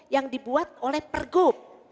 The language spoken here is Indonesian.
yang dibuat oleh pergub